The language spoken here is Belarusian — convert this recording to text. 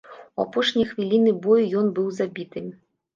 У апошнія хвіліны бою ён быў забіты.